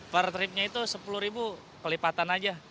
per tripnya itu sepuluh ribu pelipatan aja